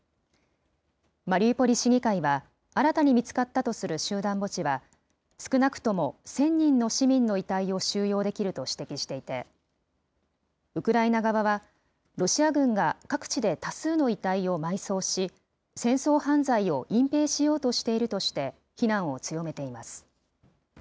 マリウポリ市議会は、新たに見つかったとする集団墓地は、少なくとも１０００人の市民の遺体を収容できると指摘していて、ウクライナ側は、ロシア軍が各地で多数の遺体を埋葬し、戦争犯罪を隠蔽しようとしているとして、非難を強めています。